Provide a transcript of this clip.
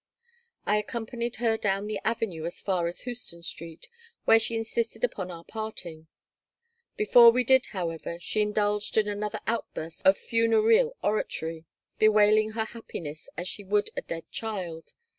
I accompanied her down the avenue as far as Houston Street, where she insisted upon our parting. Before we did, however, she indulged in another outburst of funereal oratory, bewailing her happiness as she would a dead child.